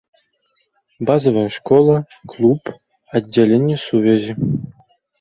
Базавая школа, клуб, аддзяленне сувязі.